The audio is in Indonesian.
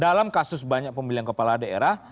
dalam kasus banyak pemilihan kepala adik ya